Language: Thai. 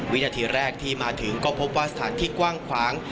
วินาทีแรกที่มาถึงก็พบว่าสถานที่กว้างขวาง